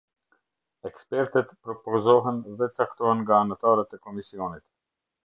Ekspertet propozohen dhe caktohen nga anëtarët e Komisionit.